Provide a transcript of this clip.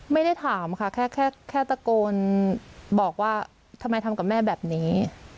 ไม่ได้ถามค่ะแค่ตะโกนบอกว่าทำไมทำกับแม่แบบนี้